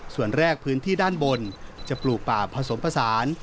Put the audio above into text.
ส่วนแรกพื้นที่ด้านบนจะปลูกป่าผสมผสาน